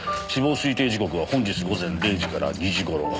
死亡推定時刻は本日午前０時から２時頃。